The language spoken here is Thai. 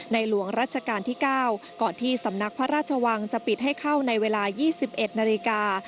หลวงรัชกาลที่๙ก่อนที่สำนักพระราชวังจะปิดให้เข้าในเวลา๒๑นาฬิกา